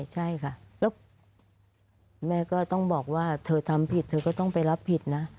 ใช่ค่ะแล้วแม่ก็ต้องบอกว่าเธอทำผิดเธอก็ต้องไปรับผิดนะ